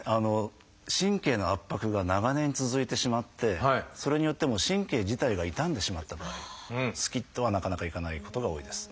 神経の圧迫が長年続いてしまってそれによってもう神経自体が傷んでしまった場合スキッとはなかなかいかないことが多いです。